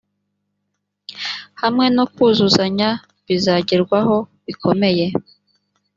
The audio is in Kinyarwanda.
hamwe no kuzuzanya bizajyerwaho bikomeye.